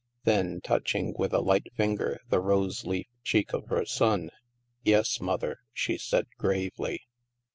Then, touching with a light finger the roseleaf cheek of her son, " Yes, Mother," she said gravely.